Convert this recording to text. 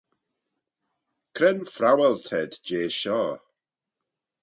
Cre'n phrowal t'ayd jeh shoh?